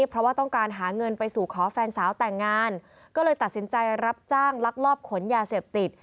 เพราะว่าต้องการหาเงินไปสู่ขอแฟนสาวแต่งงานก็เลยตัดสินใจรับจ้างลักลอบขนยาเสพติด